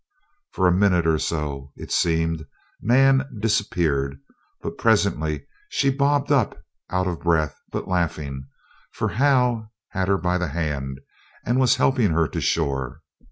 For a minute or so, it seemed, Nan disappeared, but presently she bobbed up, out of breath, but laughing, for Hal had her by the hand, and was helping her to shore.